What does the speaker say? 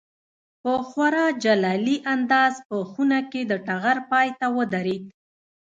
په خورا جلالي انداز په خونه کې د ټغر پای ته ودرېد.